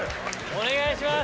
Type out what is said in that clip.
お願いします！